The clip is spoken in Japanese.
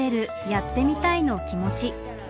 「やってみたい」の気持ち。